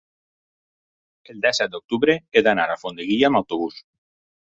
El disset d'octubre he d'anar a Alfondeguilla amb autobús.